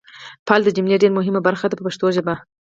فعل د جملې ډېره مهمه برخه ده په پښتو ژبه.